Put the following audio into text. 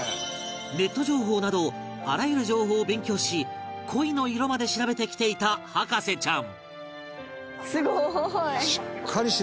ネット情報などあらゆる情報を勉強し鯉の色まで調べてきていた博士ちゃん